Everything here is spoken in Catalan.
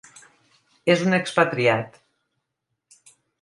És un expatriat.